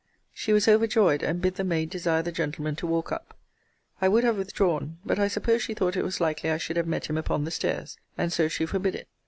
She was overjoyed; and bid the maid desire the gentleman to walk up. I would have withdrawn; but I supposed she thought it was likely I should have met him upon the stairs; and so she forbid it.